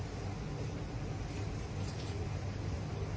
สวัสดีครับ